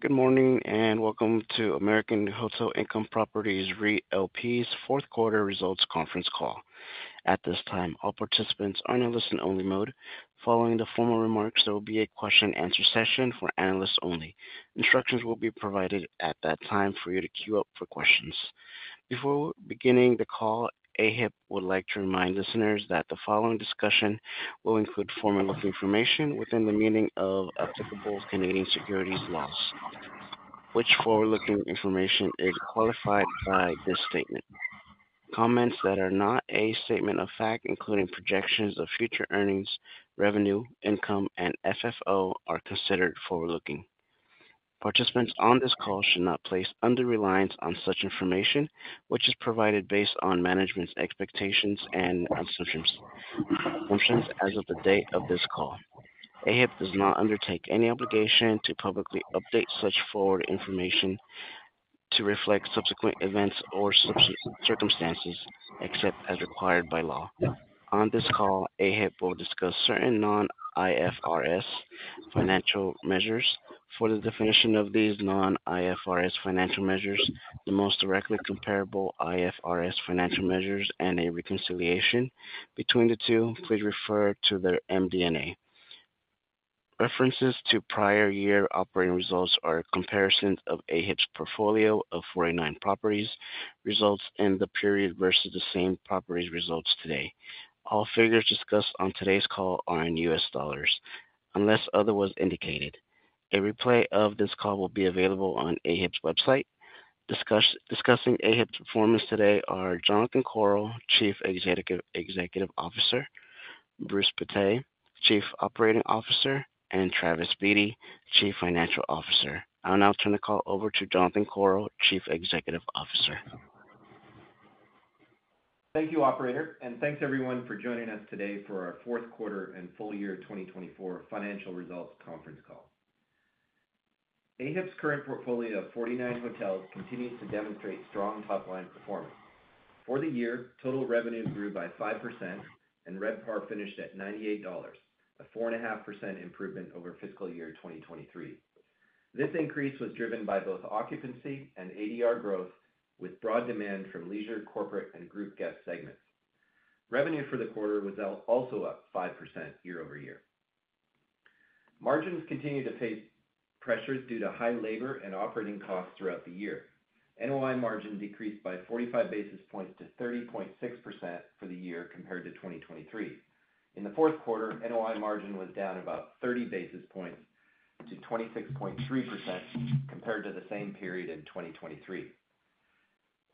Good morning and welcome to American Hotel Income Properties REIT LP's fourth quarter results conference call. At this time, all participants are in a listen-only mode. Following the formal remarks, there will be a question-and-answer session for analysts only. Instructions will be provided at that time for you to queue up for questions. Before beginning the call, AHIP would like to remind listeners that the following discussion will include forward-looking information within the meaning of applicable Canadian securities laws, which forward-looking information is qualified by this statement. Comments that are not a statement of fact, including projections of future earnings, revenue, income, and FFO, are considered forward-looking. Participants on this call should not place under reliance on such information, which is provided based on management's expectations and assumptions as of the date of this call. AHIP does not undertake any obligation to publicly update such forward information to reflect subsequent events or circumstances except as required by law. On this call, AHIP will discuss certain non-IFRS financial measures. For the definition of these non-IFRS financial measures, the most directly comparable IFRS financial measures and a reconciliation between the two, please refer to their MD&A. References to prior year operating results are a comparison of AHIP's portfolio of 49 properties, results in the period versus the same properties' results today. All figures discussed on today's call are in US dollars, unless otherwise indicated. A replay of this call will be available on AHIP's website. Discussing AHIP's performance today are Jonathan Korol, Chief Executive Officer; Bruce Pittet, Chief Operating Officer; and Travis Beatty, Chief Financial Officer. I'll now turn the call over to Jonathan Korol, Chief Executive Officer. Thank you, Operator, and thanks everyone for joining us today for our fourth quarter and full year 2024 financial results conference call. AHIP's current portfolio of 49 hotels continues to demonstrate strong top-line performance. For the year, total revenue grew by 5%, and RevPAR finished at $98, a 4.5% improvement over fiscal year 2023. This increase was driven by both occupancy and ADR growth, with broad demand from leisure, corporate, and group guest segments. Revenue for the quarter was also up 5% year-over-year. Margins continue to face pressures due to high labor and operating costs throughout the year. NOI margin decreased by 45 basis points to 30.6% for the year compared to 2023. In the fourth quarter, NOI margin was down about 30 basis points to 26.3% compared to the same period in 2023.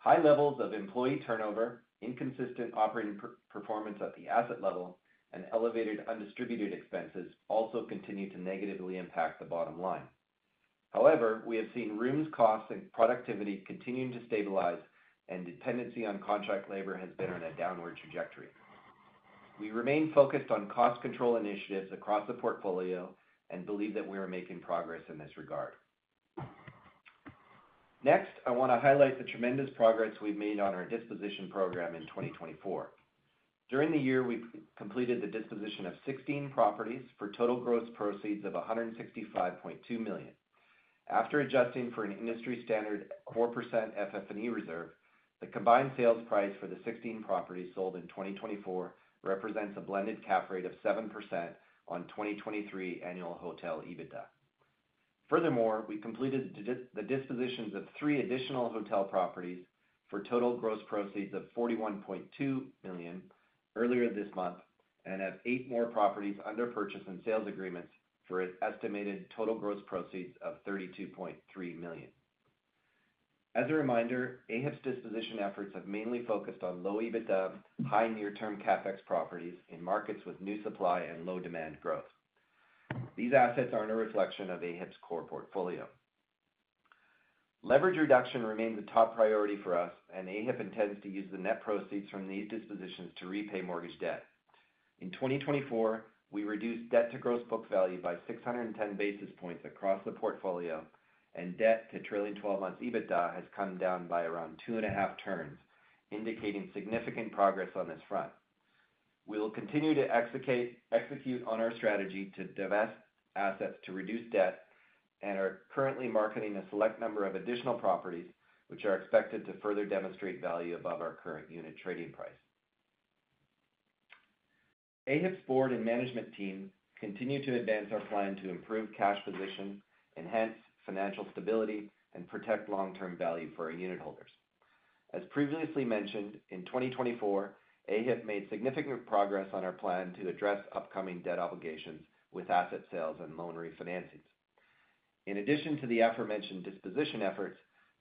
High levels of employee turnover, inconsistent operating performance at the asset level, and elevated undistributed expenses also continue to negatively impact the bottom line. However, we have seen rooms, costs, and productivity continuing to stabilize, and dependency on contract labor has been on a downward trajectory. We remain focused on cost control initiatives across the portfolio and believe that we are making progress in this regard. Next, I want to highlight the tremendous progress we've made on our disposition program in 2024. During the year, we completed the disposition of 16 properties for total gross proceeds of $165.2 million. After adjusting for an industry standard 4% FF&E reserve, the combined sales price for the 16 properties sold in 2024 represents a blended cap rate of 7% on 2023 annual hotel EBITDA. Furthermore, we completed the dispositions of three additional hotel properties for total gross proceeds of $41.2 million earlier this month and have eight more properties under purchase and sales agreements for an estimated total gross proceeds of $32.3 million. As a reminder, AHIP's disposition efforts have mainly focused on low EBITDA, high near-term CapEx properties in markets with new supply and low demand growth. These assets are not a reflection of AHIP's core portfolio. Leverage reduction remains a top priority for us, and AHIP intends to use the net proceeds from these dispositions to repay mortgage debt. In 2024, we reduced debt to gross book value by 610 basis points across the portfolio, and debt to trailing 12 months EBITDA has come down by around two and a half turns, indicating significant progress on this front. We will continue to execute on our strategy to divest assets to reduce debt and are currently marketing a select number of additional properties, which are expected to further demonstrate value above our current unit trading price. AHIP's board and management team continue to advance our plan to improve cash position, enhance financial stability, and protect long-term value for our unit holders. As previously mentioned, in 2024, AHIP made significant progress on our plan to address upcoming debt obligations with asset sales and loan refinancings. In addition to the aforementioned disposition efforts,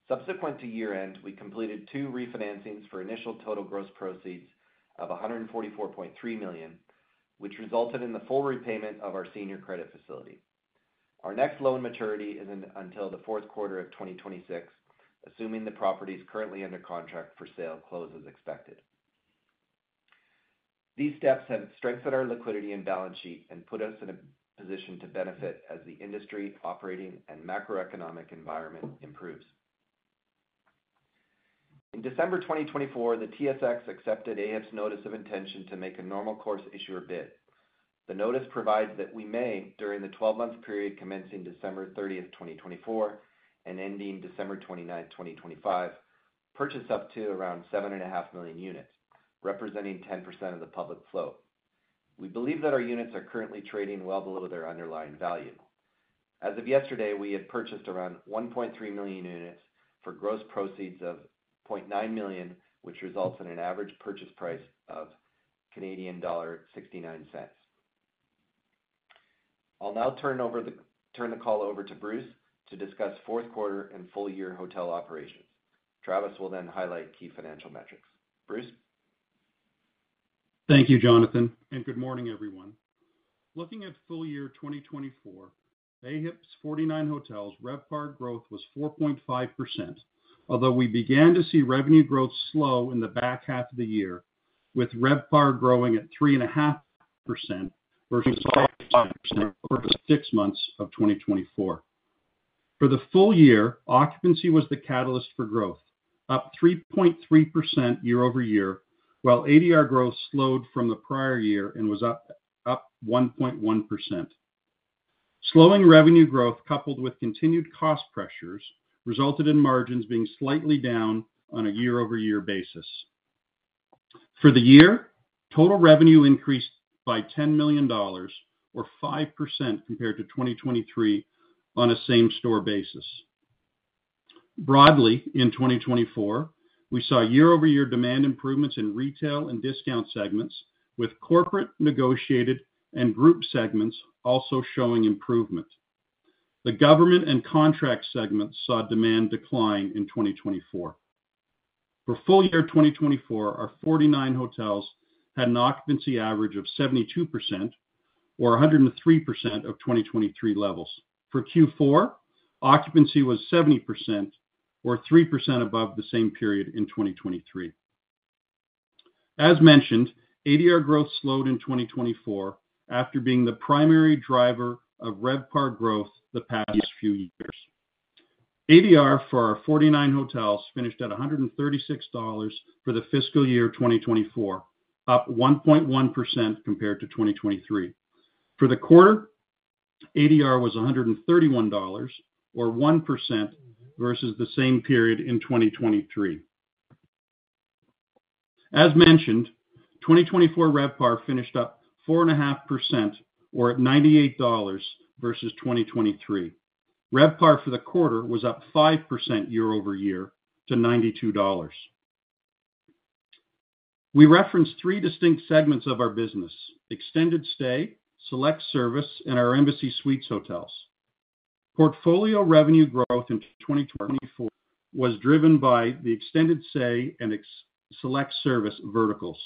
subsequent to year-end, we completed two refinancings for initial total gross proceeds of $144.3 million, which resulted in the full repayment of our senior credit facility. Our next loan maturity is not until the fourth quarter of 2026, assuming the properties currently under contract for sale close as expected. These steps have strengthened our liquidity and balance sheet and put us in a position to benefit as the industry, operating, and macroeconomic environment improves. In December 2024, the TSX accepted AHIP's notice of intention to make a normal course issuer bid. The notice provides that we may, during the 12-month period commencing December 30, 2024, and ending December 29, 2025, purchase up to around 7.5 million units, representing 10% of the public float. We believe that our units are currently trading well below their underlying value. As of yesterday, we had purchased around 1.3 million units for gross proceeds of $0.9 million, which results in an average purchase price of $0.69. I'll now turn the call over to Bruce to discuss fourth quarter and full year hotel operations. Travis will then highlight key financial metrics. Bruce. Thank you, Jonathan, and good morning, everyone. Looking at full year 2024, AHIP's 49 hotels' RevPAR growth was 4.5%, although we began to see revenue growth slow in the back half of the year, with RevPAR growing at 3.5% versus 5% over the six months of 2024. For the full year, occupancy was the catalyst for growth, up 3.3% year-over-year, while ADR growth slowed from the prior year and was up 1.1%. Slowing revenue growth, coupled with continued cost pressures, resulted in margins being slightly down on a year-over-year basis. For the year, total revenue increased by $10 million, or 5% compared to 2023, on a same-store basis. Broadly, in 2024, we saw year-over-year demand improvements in retail and discount segments, with corporate negotiated and group segments also showing improvement. The government and contract segments saw demand decline in 2024. For full year 2024, our 49 hotels had an occupancy average of 72%, or 103% of 2023 levels. For Q4, occupancy was 70%, or 3% above the same period in 2023. As mentioned, ADR growth slowed in 2024 after being the primary driver of RevPAR growth the past few years. ADR for our 49 hotels finished at $136 for the fiscal year 2024, up 1.1% compared to 2023. For the quarter, ADR was $131, or 1% versus the same period in 2023. As mentioned, 2024 RevPAR finished up 4.5%, or at $98 versus 2023. RevPAR for the quarter was up 5% year-over-year to $92. We referenced three distinct segments of our business: extended stay, select service, and our Embassy Suites hotels. Portfolio revenue growth in 2024 was driven by the extended stay and select service verticals.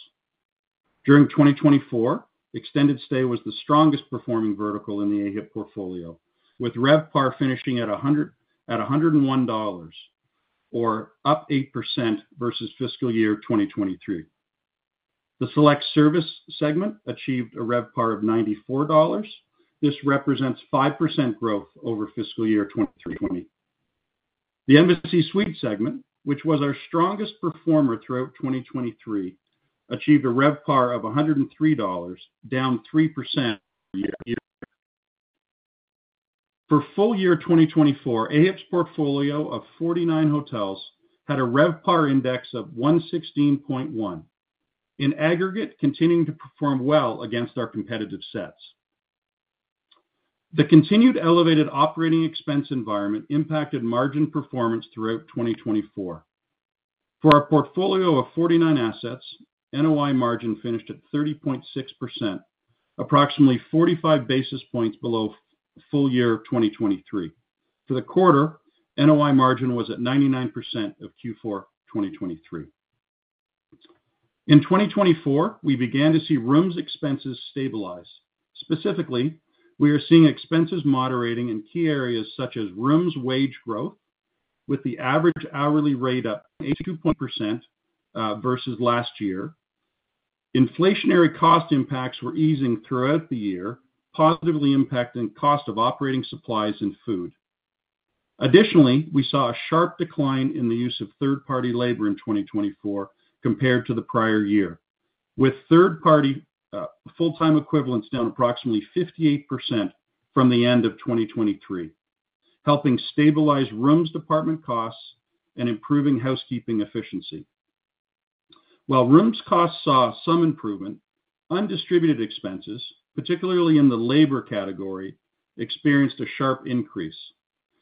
During 2024, extended stay was the strongest performing vertical in the AHIP portfolio, with RevPAR finishing at $101, or up 8% versus fiscal year 2023. The select service segment achieved a RevPAR of $94. This represents 5% growth over fiscal year 2023. The Embassy Suites segment, which was our strongest performer throughout 2023, achieved a RevPAR of $103, down 3% year-over-year. For full year 2024, AHIP's portfolio of 49 hotels had a RevPAR index of 116.1, in aggregate continuing to perform well against our competitive sets. The continued elevated operating expense environment impacted margin performance throughout 2024. For our portfolio of 49 assets, NOI margin finished at 30.6%, approximately 45 basis points below full year 2023. For the quarter, NOI margin was at 99% of Q4 2023. In 2024, we began to see rooms expenses stabilize. Specifically, we are seeing expenses moderating in key areas such as rooms wage growth, with the average hourly rate up 82.1% versus last year. Inflationary cost impacts were easing throughout the year, positively impacting cost of operating supplies and food. Additionally, we saw a sharp decline in the use of third-party labor in 2024 compared to the prior year, with third-party full-time equivalents down approximately 58% from the end of 2023, helping stabilize rooms department costs and improving housekeeping efficiency. While rooms costs saw some improvement, undistributed expenses, particularly in the labor category, experienced a sharp increase.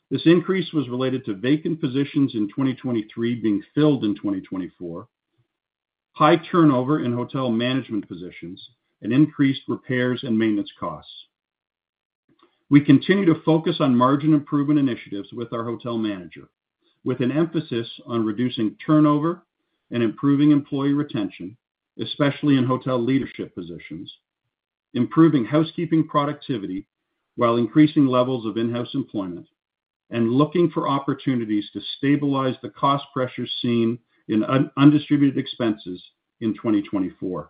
This increase was related to vacant positions in 2023 being filled in 2024, high turnover in hotel management positions, and increased repairs and maintenance costs. We continue to focus on margin improvement initiatives with our hotel manager, with an emphasis on reducing turnover and improving employee retention, especially in hotel leadership positions, improving housekeeping productivity while increasing levels of in-house employment, and looking for opportunities to stabilize the cost pressures seen in undistributed expenses in 2024.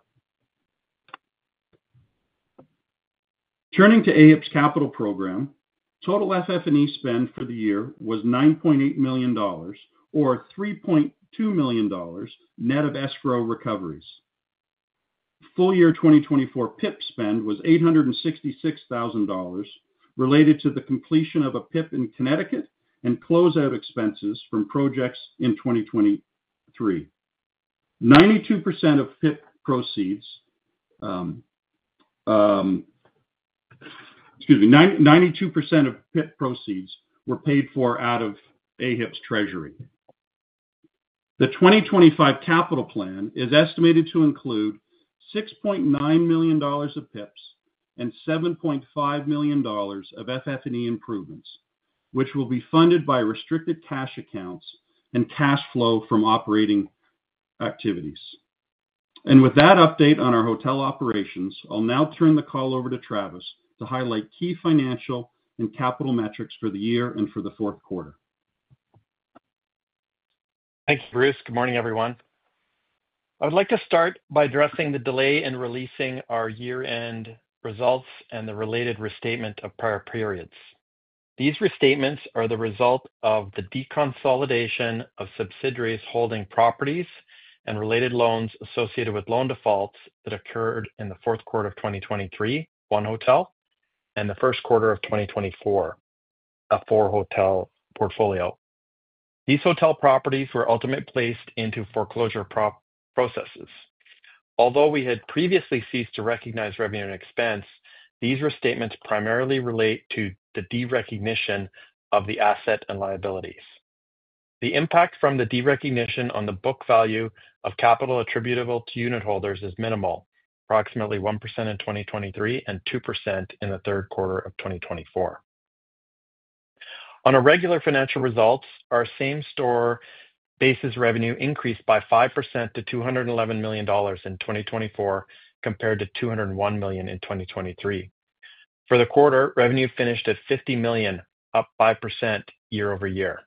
Turning to AHIP's capital program, total FF&E spend for the year was $9.8 million, or $3.2 million net of escrow recoveries. Full year 2024 PIP spend was $866,000, related to the completion of a PIP in Connecticut and closeout expenses from projects in 2023. 92% of PIP proceeds were paid for out of AHIP's treasury. The 2025 capital plan is estimated to include $6.9 million of PIPs and $7.5 million of FF&E improvements, which will be funded by restricted cash accounts and cash flow from operating activities. With that update on our hotel operations, I'll now turn the call over to Travis to highlight key financial and capital metrics for the year and for the fourth quarter. Thank you, Bruce. Good morning, everyone. I would like to start by addressing the delay in releasing our year-end results and the related restatement of prior periods. These restatements are the result of the deconsolidation of subsidiaries holding properties and related loans associated with loan defaults that occurred in the fourth quarter of 2023, one hotel, and the first quarter of 2024, a four-hotel portfolio. These hotel properties were ultimately placed into foreclosure processes. Although we had previously ceased to recognize revenue and expense, these restatements primarily relate to the derecognition of the asset and liabilities. The impact from the derecognition on the book value of capital attributable to unit holders is minimal, approximately 1% in 2023 and 2% in the third quarter of 2024. On a regular financial result, our same-store basis revenue increased by 5% to $211 million in 2024 compared to $201 million in 2023. For the quarter, revenue finished at $50 million, up 5% year-over-year.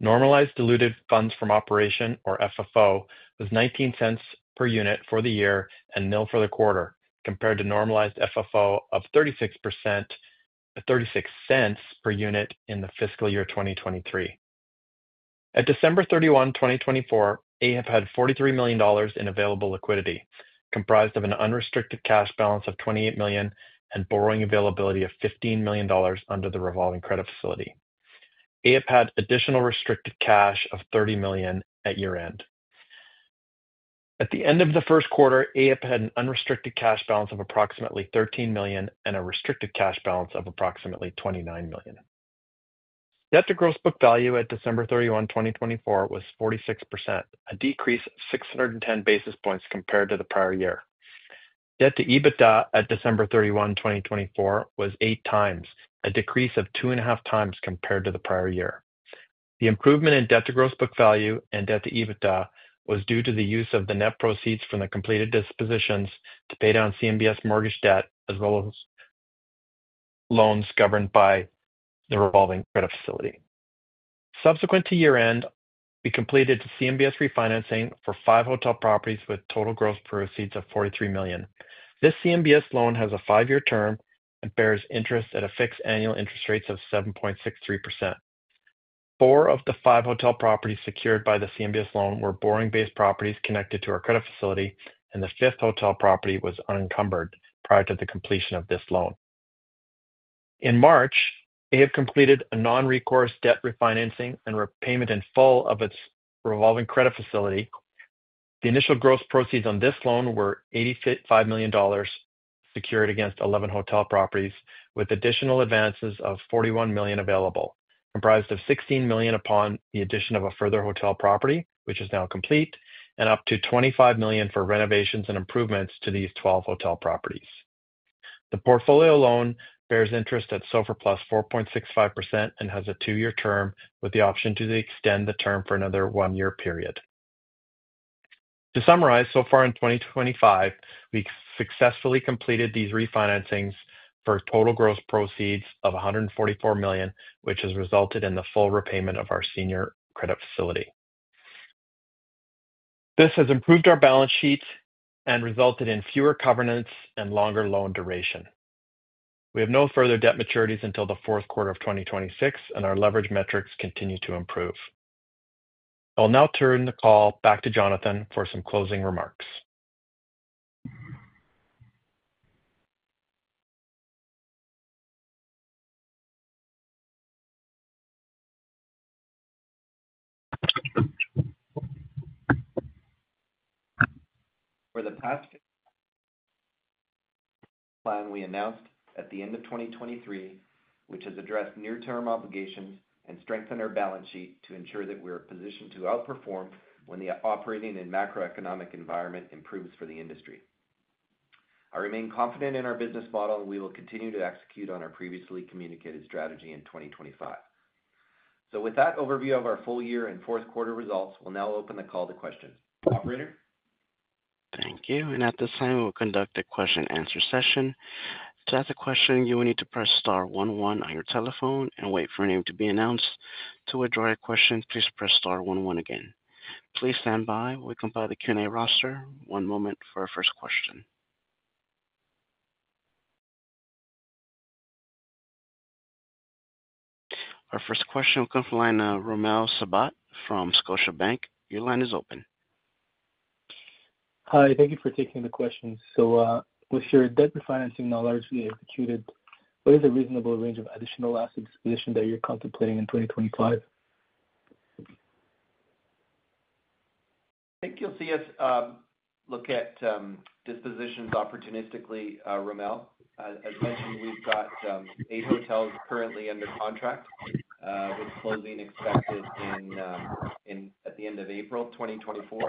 Normalized diluted funds from operation, or FFO, was $0.19 per unit for the year and nil for the quarter, compared to normalized FFO of $0.36 per unit in the fiscal year 2023. At December 31, 2024, AHIP had $43 million in available liquidity, comprised of an unrestricted cash balance of $28 million and borrowing availability of $15 million under the revolving credit facility. AHIP had additional restricted cash of $30 million at year-end. At the end of the first quarter, AHIP had an unrestricted cash balance of approximately $13 million and a restricted cash balance of approximately $29 million. Debt to gross book value at December 31, 2024, was 46%, a decrease of 610 basis points compared to the prior year. Debt to EBITDA at December 31, 2024, was eight times, a decrease of 2.5x compared to the prior year. The improvement in debt to gross book value and debt to EBITDA was due to the use of the net proceeds from the completed dispositions to pay down CMBS mortgage debt, as well as loans governed by the revolving credit facility. Subsequent to year-end, we completed CMBS refinancing for five hotel properties with total gross proceeds of $43 million. This CMBS loan has a five-year term and bears interest at a fixed annual interest rate of 7.63%. Four of the five hotel properties secured by the CMBS loan were borrowing-based properties connected to our credit facility, and the fifth hotel property was unencumbered prior to the completion of this loan. In March, AHIP completed a non-recourse debt refinancing and repayment in full of its revolving credit facility. The initial gross proceeds on this loan were $85 million secured against 11 hotel properties, with additional advances of $41 million available, comprised of $16 million upon the addition of a further hotel property, which is now complete, and up to $25 million for renovations and improvements to these 12 hotel properties. The portfolio loan bears interest at SOFR +4.65% and has a two-year term with the option to extend the term for another one-year period. To summarize, so far in 2025, we successfully completed these refinancings for total gross proceeds of $144 million, which has resulted in the full repayment of our senior credit facility. This has improved our balance sheet and resulted in fewer covenants and longer loan duration. We have no further debt maturities until the fourth quarter of 2026, and our leverage metrics continue to improve. I'll now turn the call back to Jonathan for some closing remarks. For the past plan, we announced at the end of 2023, which has addressed near-term obligations and strengthened our balance sheet to ensure that we are positioned to outperform when the operating and macroeconomic environment improves for the industry. I remain confident in our business model, and we will continue to execute on our previously communicated strategy in 2025. With that overview of our full year and fourth quarter results, we'll now open the call to questions. Operator. Thank you. At this time, we'll conduct a question-and-answer session. To ask a question, you will need to press star one one on your telephone and wait for a name to be announced. To withdraw your question, please press star one one again. Please stand by while we compile the Q&A roster. One moment for our first question. Our first question will come from the Line of Ramel Sabet from Scotiabank. Your line is open. Hi. Thank you for taking the question. With your debt refinancing knowledge we executed, what is a reasonable range of additional asset disposition that you're contemplating in 2025? I think you'll see us look at dispositions opportunistically, Ramel. As mentioned, we've got eight hotels currently under contract, with closing expected at the end of April 2025.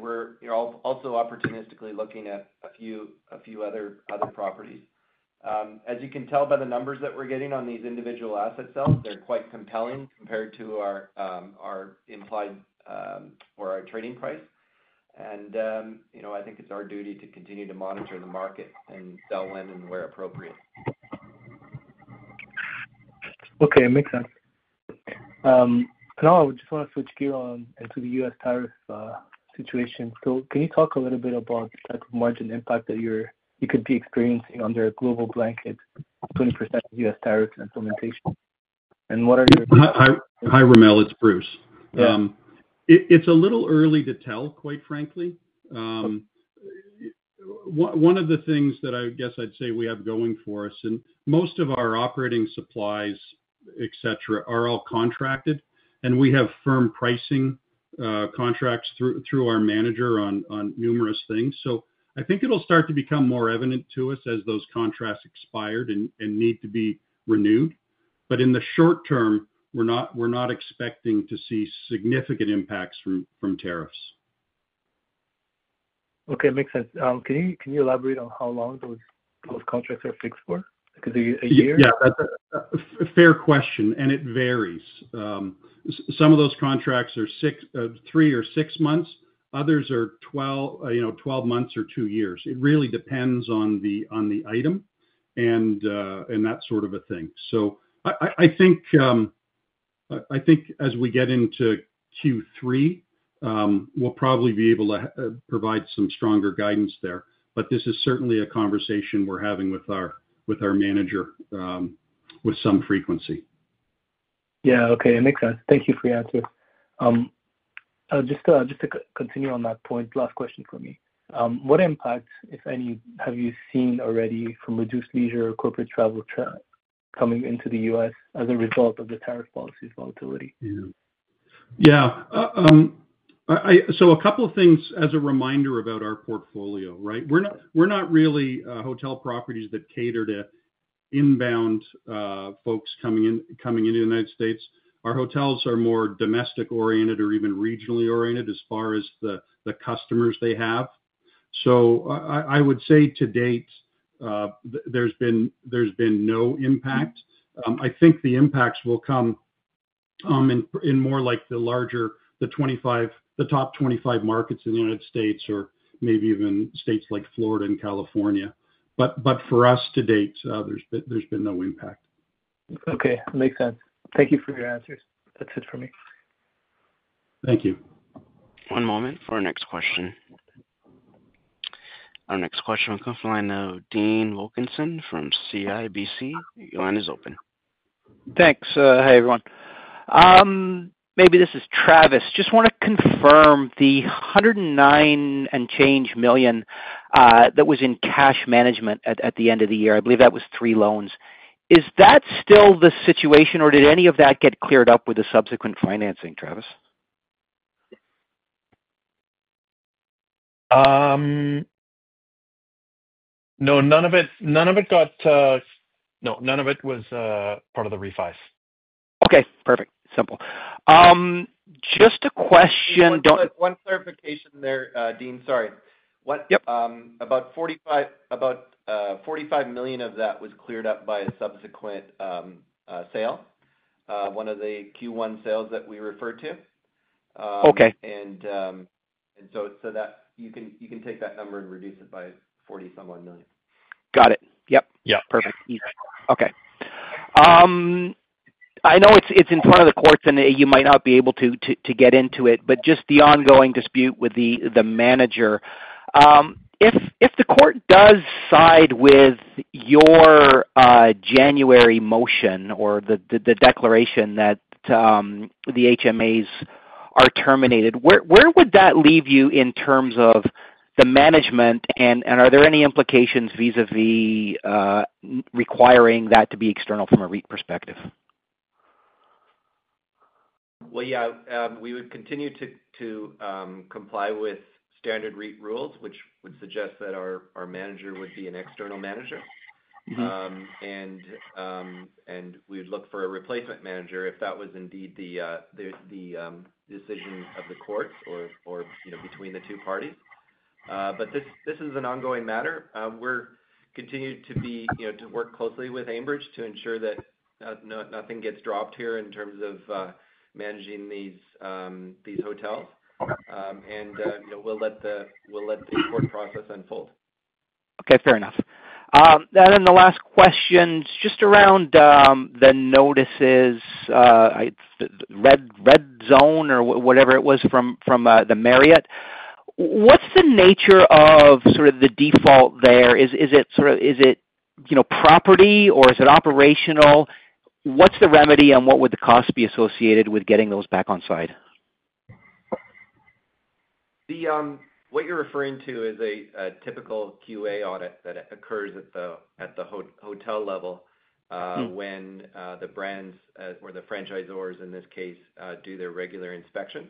We're also opportunistically looking at a few other properties. As you can tell by the numbers that we're getting on these individual asset sales, they're quite compelling compared to our implied or our trading price. I think it's our duty to continue to monitor the market and sell when and where appropriate. Okay. It makes sense. Now, I would just want to switch gears into the U.S. tariff situation. Can you talk a little bit about the type of margin impact that you could be experiencing under a global blanket 20% U.S. tariff implementation? What are your? Hi, Ramel. It's Bruce. It's a little early to tell, quite frankly. One of the things that I guess I'd say we have going for us, and most of our operating supplies, etc., are all contracted, and we have firm pricing contracts through our manager on numerous things. I think it'll start to become more evident to us as those contracts expire and need to be renewed. In the short term, we're not expecting to see significant impacts from tariffs. Okay. It makes sense. Can you elaborate on how long those contracts are fixed for? A year? Yeah. Fair question. It varies. Some of those contracts are three or six months. Others are 12 months or two years. It really depends on the item and that sort of a thing. I think as we get into Q3, we'll probably be able to provide some stronger guidance there. This is certainly a conversation we're having with our manager with some frequency. Yeah. Okay. It makes sense. Thank you for your answer. Just to continue on that point, last question for me. What impact, if any, have you seen already from reduced leisure or corporate travel coming into the U.S. as a result of the tariff policy volatility? Yeah. A couple of things as a reminder about our portfolio, right? We're not really hotel properties that cater to inbound folks coming into the United States. Our hotels are more domestic-oriented or even regionally oriented as far as the customers they have. I would say to date, there's been no impact. I think the impacts will come in more like the top 25 markets in the United States or maybe even states like Florida and California. For us to date, there's been no impact. Okay. It makes sense. Thank you for your answers. That's it for me. Thank you. One moment for our next question. Our next question will come from Line of Dean Wilkinson from CIBC. Your line is open. Thanks. Hi, everyone. Maybe this is Travis. Just want to confirm the $109 million and change that was in cash management at the end of the year. I believe that was three loans. Is that still the situation, or did any of that get cleared up with the subsequent financing, Travis? No, none of it was part of the refis. Okay. Perfect. Simple. Just a question. One clarification there, Dean. Sorry. About $45 million of that was cleared up by a subsequent sale, one of the Q1 sales that we refer to. You can take that number and reduce it by $40-some-odd million. Got it. Yeah. Perfect. Easy. Okay. I know it's in front of the courts, and you might not be able to get into it, but just the ongoing dispute with the manager. If the court does side with your January motion or the declaration that the HMAs are terminated, where would that leave you in terms of the management? Are there any implications vis-à-vis requiring that to be external from a REIT perspective? We would continue to comply with standard REIT rules, which would suggest that our manager would be an external manager. We would look for a replacement manager if that was indeed the decision of the courts or between the two parties. This is an ongoing matter. We are continuing to work closely with Aimbridge to ensure that nothing gets dropped here in terms of managing these hotels. We will let the court process unfold. Okay. Fair enough. The last question just around the notices, Red Zone or whatever it was from the Marriott. What's the nature of sort of the default there? Is it property, or is it operational? What's the remedy, and what would the cost be associated with getting those back on-site? What you're referring to is a typical QA audit that occurs at the hotel level when the brands or the franchisors, in this case, do their regular inspections.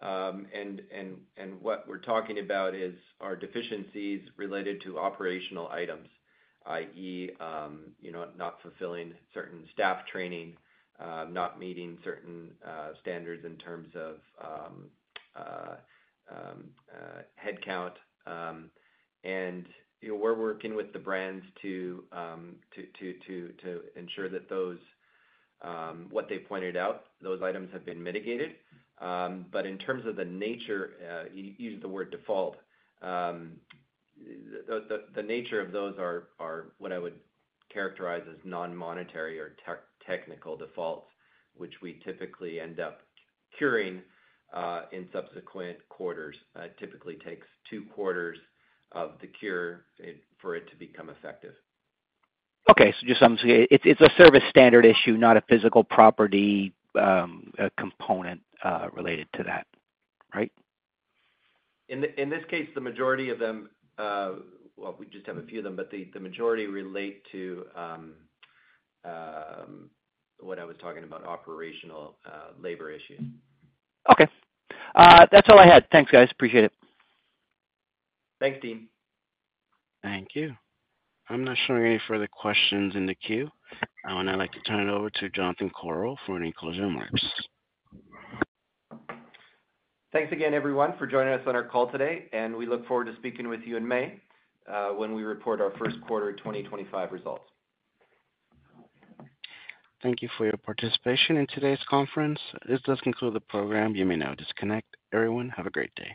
What we're talking about is our deficiencies related to operational items, i.e., not fulfilling certain staff training, not meeting certain standards in terms of headcount. We're working with the brands to ensure that what they pointed out, those items have been mitigated. In terms of the nature—you used the word default—the nature of those are what I would characterize as non-monetary or technical defaults, which we typically end up curing in subsequent quarters. It typically takes two quarters of the cure for it to become effective. Okay. So it's a service standard issue, not a physical property component related to that, right? In this case, the majority of them—well, we just have a few of them—but the majority relate to what I was talking about, operational labor issues. Okay. That's all I had. Thanks, guys. Appreciate it. Thanks, Dean. Thank you. I'm not showing any further questions in the queue. I would now like to turn it over to Jonathan Korol for any closing remarks. Thanks again, everyone, for joining us on our call today. We look forward to speaking with you in May when we report our first quarter 2025 results. Thank you for your participation in today's conference. This does conclude the program. You may now disconnect. Everyone, have a great day.